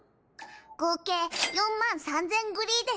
合計４万３０００グリーです。